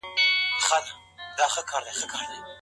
هر جرم جبرانيدلای سي.